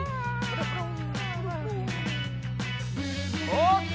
おっと！